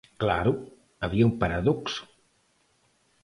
Claro, había un paradoxo.